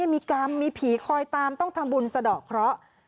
มีกรรมมีผีคอยตามต้องทำบุญสะดอกเคราะห์